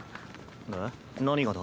えっ何がだ？